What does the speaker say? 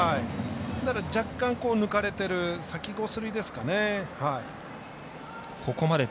若干、抜かれてる先こすりですかね。